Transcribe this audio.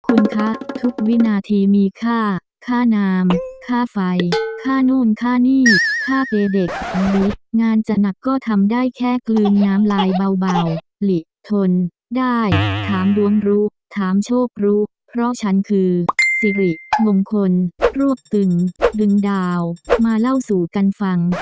คุณคะทุกวินาทีมีค่าค่าน้ำค่าไฟค่านู่นค่านี่ค่าเปย์เด็กหรืองานจะหนักก็ทำได้แค่กลืนน้ำลายเบาหลีทนได้ถามดวงรู้ถามโชครู้เพราะฉันคือสิริมงคลรวบตึงดึงดาวมาเล่าสู่กันฟัง